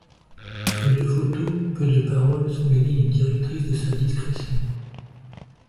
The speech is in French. Peu de photos, peu de paroles, sont les lignes directrices de sa discrétion.